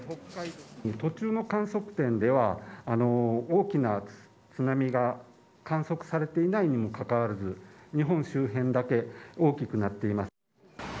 途中の観測点では大きな津波が観測されていないにもかかわらず日本周辺だけ大きくなっています。